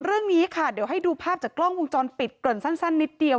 เรื่องนี้ค่ะเดี๋ยวให้ดูภาพจากกล้องวงจรปิดเกริ่นสั้นนิดเดียว